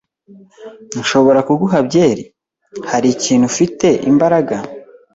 "Nshobora kuguha byeri?" "Hari ikintu ufite imbaraga?"